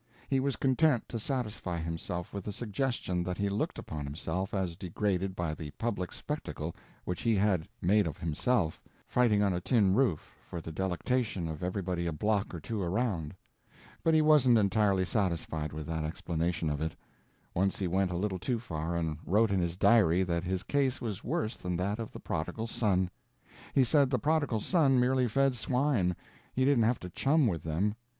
He was content to satisfy himself with the suggestion that he looked upon himself as degraded by the public spectacle which he had made of himself, fighting on a tin roof, for the delectation of everybody a block or two around. But he wasn't entirely satisfied with that explanation of it. Once he went a little too far and wrote in his diary that his case was worse than that of the prodigal son. He said the prodigal son merely fed swine, he didn't have to chum with them.